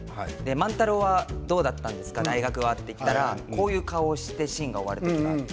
「万太郎はどうだったんですか大学は」って聞いたらこういう顔してシーンが終わる時があって。